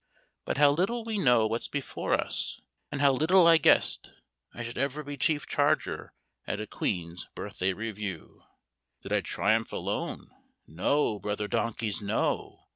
But how little we know what's before us! And how little I guessed I should ever be chief charger at a Queen's Birthday Review! Did I triumph alone? No, Brother Donkeys, no!